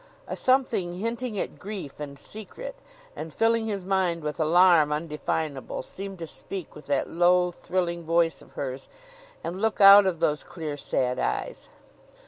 A something hinting at grief and secret, and filling his mind with alarm undefinable, seemed to speak with that low thrilling voice of hers, and look out of those clear sad eyes.